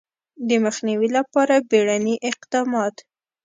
د مخنیوي لپاره بیړني اقدامات